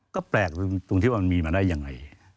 ก็แปลกตรงที่ว่ามันมีมาได้ยังไง